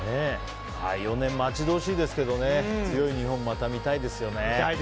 ４年、待ち遠しいですけど強い日本をまた見たいですよね。